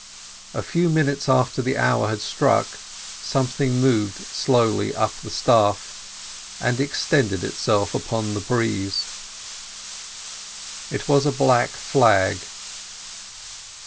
A few minutes after the hour had struck something moved slowly up the staff, and extended itself upon the breeze. It was a black flag.